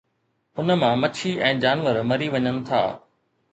ان مان مڇي ۽ جانور مري وڃن ٿا.